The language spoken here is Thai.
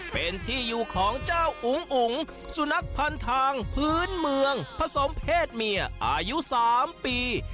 เป็นที่อยู่ของเจ้าอุ๋งอุ๋งสุนัขพันธ์ทางพื้นเมืองผสมเพศเมียอายุ๓ปี